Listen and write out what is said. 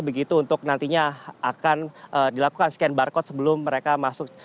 begitu untuk nantinya akan dilakukan scan barcode sebelum mereka masuk